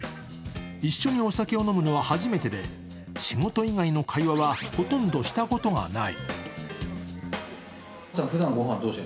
一緒にお酒を飲むのは初めてで仕事以外の会話はほとんどしたことがない。